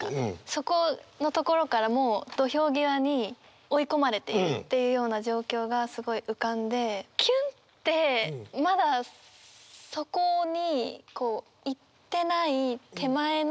そこのところからもう土俵際に追い込まれているっていうような状況がすごい浮かんでキュンってまだそこに行ってない手前のところなのかなっていう。